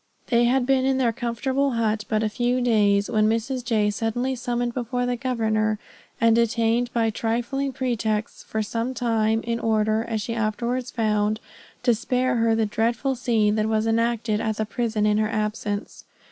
They had been in their comfortable hut but a few days, when Mrs. J. was suddenly summoned before the governor, and detained by trifling pretexts for some time, in order as she afterwards found to spare her the dreadful scene that was enacted at the prison in her absence.